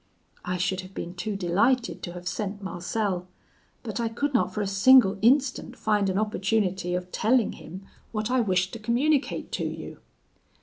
I should have been too delighted to have sent Marcel, but I could not for a single instant find an opportunity of telling him what I wished to communicate to you.'